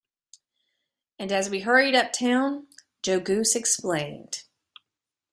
And as we hurried up town, Joe Goose explained.